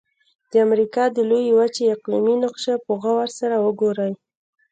د امریکا د لویې وچې اقلیمي نقشه په غور سره وګورئ.